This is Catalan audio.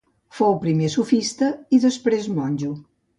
Fou primer sofista i després monjo.